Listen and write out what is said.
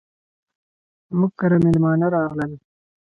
موږ کره ميلمانه راغلل.